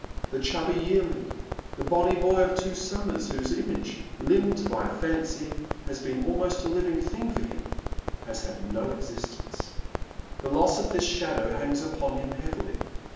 The chubby yearling, the bonny boy of two suiunicrs, whose image, limned by fancy, has been almost a livi ng thing for him, has had no existence. The loss of this shadow hangs upon him heavily.